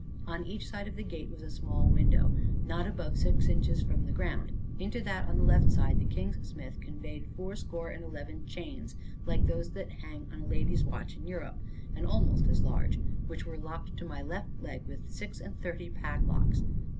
On each side of the gate was a small window, not above six inches from the ground; into that on the left side, the king's smith conveyed fourscore and eleven chains, like those that hang to a lady's watch in Europe, and almost as large, which were locked to my left leg, with six and thirty padlocks.